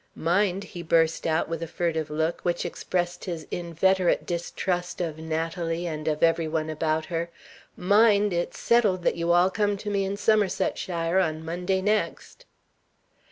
Mind!" he burst out, with a furtive look, which expressed his inveterate distrust of Natalie and of every one about her. "Mind! it's settled that you all come to me in Somersetshire, on Monday next."